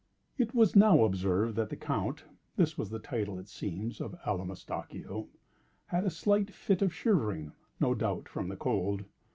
It was now observed that the Count (this was the title, it seems, of Allamistakeo) had a slight fit of shivering—no doubt from the cold.